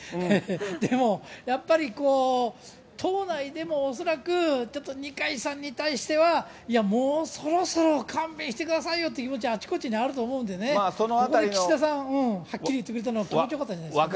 でもやっぱり、党内でも恐らく、ちょっと二階さんに対しては、いや、もうそろそろ勘弁してくださいよって気持ち、あちこちにあると思うんでね、ここで岸田さん、はっきり言ってくれたのは気持ちよかったんじゃないですか。